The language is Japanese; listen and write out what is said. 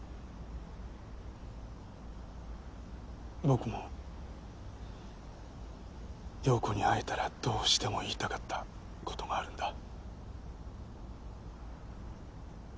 僕も葉子に会えたらどうしても言いたかったことがあるんだ。